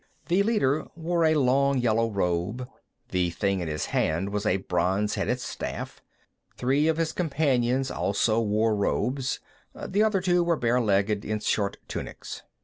The leader wore a long yellow robe; the thing in his hand was a bronze headed staff. Three of his companions also wore robes; the other two were bare legged in short tunics.